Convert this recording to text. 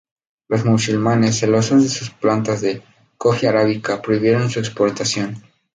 Los musulmanes, celosos de sus plantas de "Coffea arábica", prohibieron su exportación.